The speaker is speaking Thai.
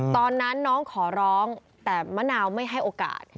ตอนนั้นน้องขอร้องแต่มะนาวไม่ให้โอกาส